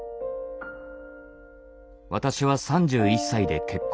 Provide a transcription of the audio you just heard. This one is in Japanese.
私は３１歳で結婚。